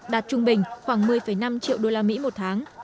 đạt trung bình khoảng một mươi năm triệu usd một tháng